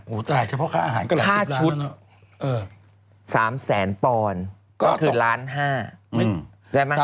โอ้ตายเฉพาะค่าอาหารก็หลายสิบล้านค่าชุด๓แสนปอนก็คือล้านห้า